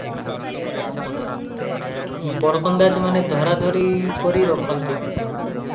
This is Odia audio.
ବରକନ୍ଦାଜମାନେ ଧରାଧରି କରି ରଖନ୍ତି ।